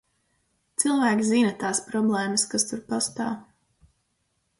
Cilvēki zina tās problēmas, kas tur pastāv.